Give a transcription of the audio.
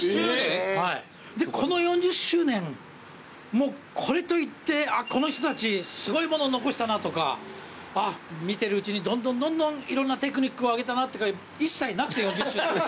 この４０周年もうこれといってこの人たちすごいもの残したなとか見てるうちにどんどんどんどんいろんなテクニックを上げたなとか一切なくて４０周年。